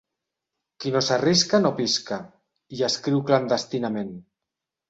«Qui no s'arrisca no pisca», hi escriu clandestinament.